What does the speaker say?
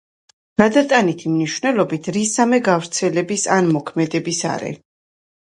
გადატანითი მნიშვნელობით რისამე გავრცელების ან მოქმედების არე.